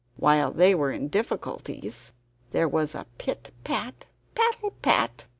While they were in difficulties, there was a pit pat, paddle pat!